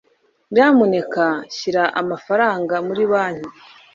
nyamuneka shyira amafaranga muri banki